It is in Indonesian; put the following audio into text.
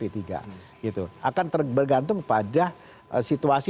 itu akan bergantung pada situasi